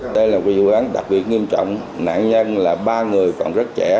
đây là một vụ án đặc biệt nghiêm trọng nạn nhân là ba người còn rất trẻ